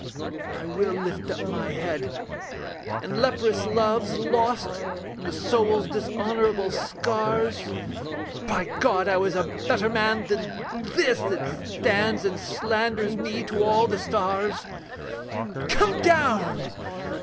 I will lift up my head: in leprous loves Lost, and the soul's dishonourable scars By God I was a better man than This That stands and slanders me to all the stars. 'Come down!'